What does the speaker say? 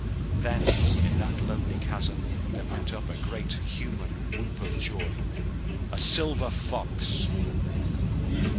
Then, in that lonely chasm, there went up a great human whoop of joy. "A silver fox!"